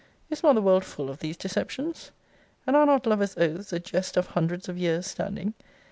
Is not the world full of these deceptions? And are not lovers' oaths a jest of hundreds of years' standing?